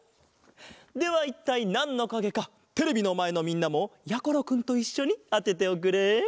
ではいったいなんのかげかテレビのまえのみんなもやころくんといっしょにあてておくれ。